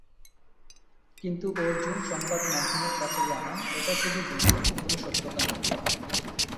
কিন্তু অর্জুন সংবাদ মাধ্যমের কাছে জানান এটা শুধু গুঞ্জন, কোন সত্যতা নেই।